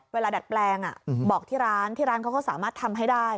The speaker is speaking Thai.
ดัดแปลงบอกที่ร้านที่ร้านเขาก็สามารถทำให้ได้